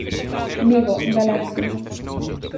Vigo: Galaxia.